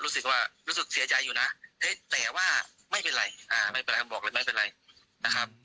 รู้สึกว่ารู้สึกเสียใจอยู่นะแต่ว่าไม่เป็นไรบอกเลยไม่เป็นไรนะครับ